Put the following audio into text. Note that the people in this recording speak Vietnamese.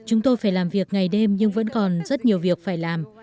chúng tôi phải làm việc ngày đêm nhưng vẫn còn rất nhiều việc phải làm